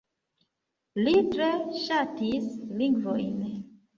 Li tre ŝatis lingvojn.